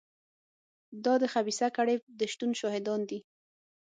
دا د خبیثه کړۍ د شتون شاهدان دي.